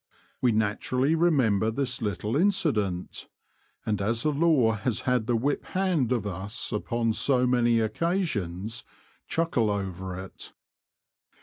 We naturally re member this little incident, and as the law has had the whip hand of us upon so many oc casions, chuckle over it.